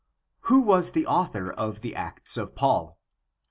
Who was the author of the Acts of Paul?